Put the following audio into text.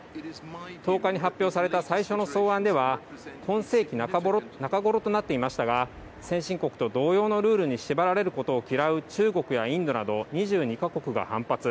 １０日に発表された最初の草案では、今世紀中頃となっていましたが、先進国と同様のルールに縛られることを嫌う中国やインドなど２２か国が反発。